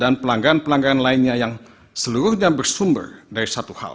dan pelanggaran pelanggaran lainnya yang seluruhnya bersumber dari satu hal